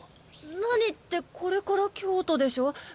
何ってこれから京都でしょ？